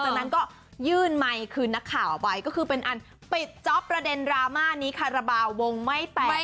จากนั้นก็ยื่นไมค์คืนนักข่าวไปก็คือเป็นอันปิดจ๊อปประเด็นดราม่านี้คาราบาลวงไม่แตก